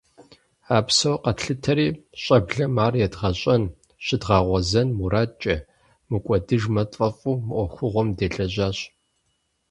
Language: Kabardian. А псор къэтлъытэри, щӏэблэм ар едгъэщӏэн, щыдгъэгъуэзэн мурадкӏэ, мыкӏуэдыжмэ тфӏэфӏу, мы ӏуэхугъуэм делэжьащ.